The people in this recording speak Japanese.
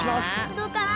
どうかな。